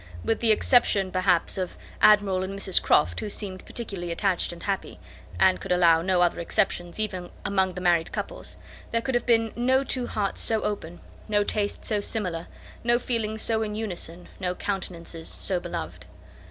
With the exception, perhaps, of Admiral and Mrs Croft, who seemed particularly attached and happy, (Anne could allow no other exceptions even among the married couples), there could have been no two hearts so open, no tastes so similar, no feelings so in unison, no countenances so beloved.